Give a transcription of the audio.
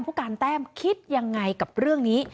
ผู้การแต้มคิดยังไงกับเรื่องนี้